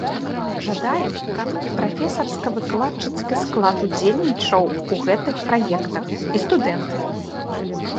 Жадаем, каб і прафесарска-выкладчыцкі склад удзельнічаў у гэтых праектах, і студэнты.